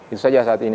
itu saja saat ini